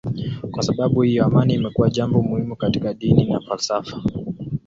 Kwa sababu hiyo amani imekuwa jambo muhimu katika dini na falsafa.